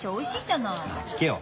まあ聞けよ。